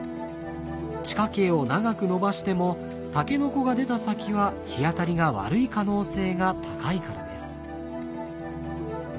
地下茎を長く伸ばしてもタケノコが出た先は日当たりが悪い可能性が高いからです。